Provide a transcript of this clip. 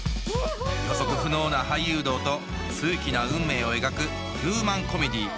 予測不能な俳優道と数奇な運命を描くヒューマンコメディー